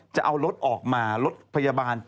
จะเอารถออกมา